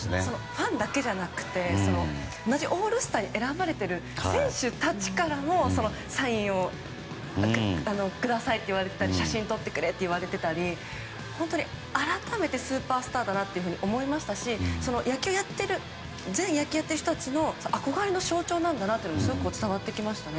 ファンだけじゃなくて同じオールスターに選ばれている選手たちからもサインをくださいと言われていたり写真撮ってくれって言われてたり本当に改めてスーパースターだなと思いましたし全野球をやっている人たちの憧れの象徴なんだなとすごく伝わってきました。